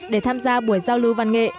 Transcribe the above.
để tham gia buổi giao lưu văn nghệ